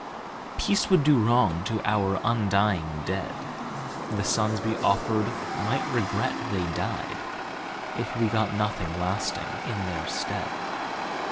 Peace would do wrong to our undying dead, The sons we offered might regret they died If we got nothing lasting in their stead.